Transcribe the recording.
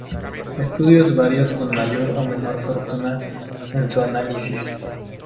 Estudios varios con mayor o menor fortuna en sus análisis